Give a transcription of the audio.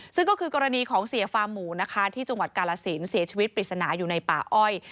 ซึ่งก็คือกรณีของเสียฟาร์มหมูนะคะที่จังหวัดกาลสินเสียชีวิตปริศนาอยู่ในป่าอ้อย